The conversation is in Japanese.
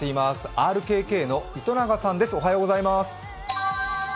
ＲＫＫの糸永さんです。